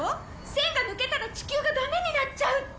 栓が抜けたら地球がダメになっちゃうって。